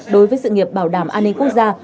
đối với sự nghiệp bảo đảm an ninh quốc gia